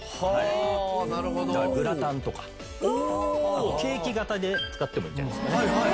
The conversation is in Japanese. あとケーキ型で使ってもいいんじゃないですかね。